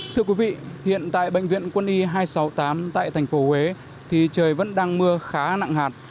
thưa quý vị hiện tại bệnh viện quân y hai trăm sáu mươi tám tp huế trời vẫn đang mưa khá nặng hạt